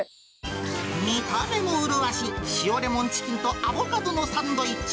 見た目もうるわしい、塩レモンチキンとアボカドのサンドイッチ。